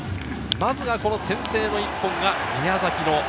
まず先制の一本が宮崎の。